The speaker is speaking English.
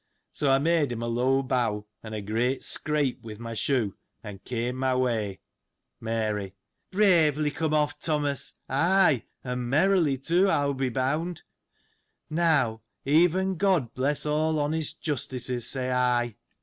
So, I made him a low bow, and a great scrape with my shoe, and came my way. Mary. — Bravely come off, Thomas ! Ay, and merrily, too, I 526 will be bound ; now, even God bless all honest Justices, say I.